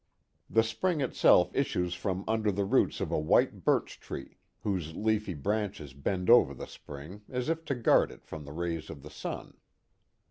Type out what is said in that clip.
The spring itself issues from under the roots of a while birch tree, whose leafy branches bend over the spring as if to guard it from the rays of the sun.